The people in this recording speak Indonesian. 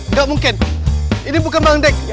nggak mungkin ini bukan bangdek